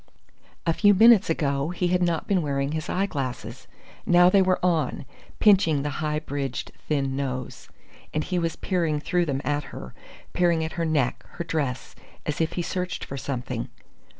A few minutes ago he had not been wearing his eyeglasses. Now they were on, pinching the high bridged, thin nose. And he was peering through them at her peering at her neck, her dress, as if he searched for something.